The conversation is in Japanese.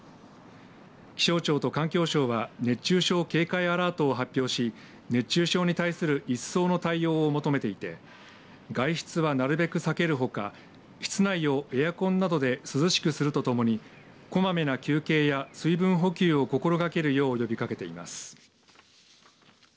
気象庁と環境省は熱中症警戒アラートを発表し熱中症に対する一層の対応を求めていて外出はなるべく避けるほか室内をエアコンなどで涼しくするとともにこまめな休憩や水分補給を心がけるよう呼びかけています。